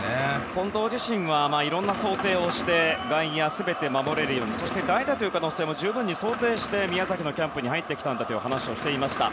近藤自身はいろんな想定をして外野、全て守れるようにそして、代打という可能性も十分に想定して宮崎のキャンプに入ってきたという話をしていました。